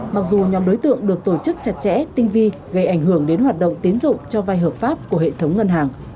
mặc dù nhóm đối tượng được tổ chức chặt chẽ tinh vi gây ảnh hưởng đến hoạt động tiến dụng cho vai hợp pháp của hệ thống ngân hàng